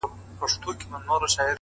د اوښکو ټول څاڅکي دي ټول راټول کړه ـ